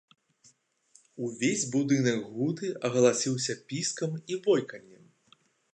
Увесь будынак гуты агаласіўся піскам і войканнем.